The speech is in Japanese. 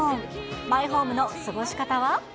マイホームの過ごし方は？